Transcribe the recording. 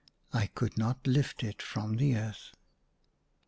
I could not lift it from the earth.